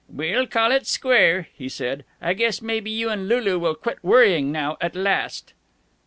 "We'll call it square," he said. "I guess maybe you and Lulu will quit worrying, now, at last."